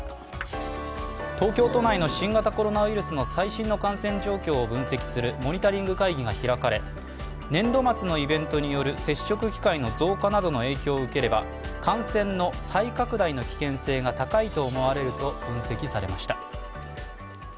東京都内の新型コロナウイルスの最新の感染状況を分析するモニタリング会議が開かれ年度末のイベントによる接触機会の増加などの影響を受ければ感染の再拡大の危険性が高いと思われると分析されました。